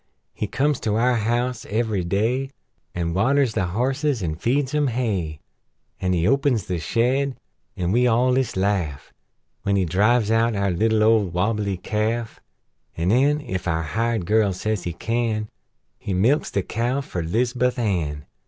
He comes to our house every day, An' waters the horses, an' feeds 'em hay; An' he opens the shed an' we all ist laugh When he drives out our little old wobble ly calf; An' nen ef our hired girl says he can He milks the cow fer 'Lizabuth Ann.